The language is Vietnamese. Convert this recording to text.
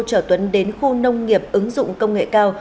trở tuấn đến khu nông nghiệp ứng dụng công nghệ cao